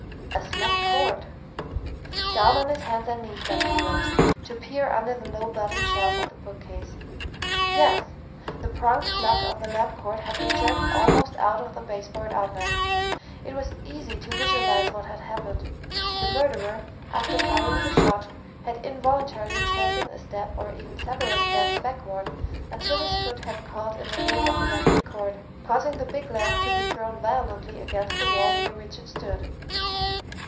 A slack cord! Down on his hands and knees Dundee went, to peer under the low bottom shelf of the bookcase.... Yes! The pronged plug of the lamp cord had been jerked almost out of the baseboard outlet! It was easy to visualize what had happened: The murderer, after firing the shot, had involuntarily taken a step or even several steps backward, until his foot had caught in the loop of electric cord, causing the big lamp to be thrown violently against the wall near which it stood....